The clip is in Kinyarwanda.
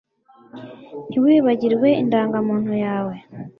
Ntiwibagirwe indangamuntu yawe